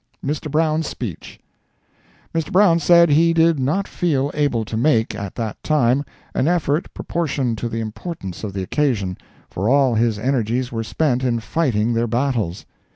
MR. BROWN'S SPEECH.—Mr. Brown said that he did not feel able to make, at that time, an effort proportioned to the importance of the occasion, for all his energies were spent in fighting their battles.